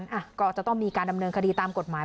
คำพูดคุยกันก็จะต้องมีการดำเนินคดีตามกฎหมาย